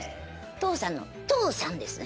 「父さん」の「とうさん！」ですね。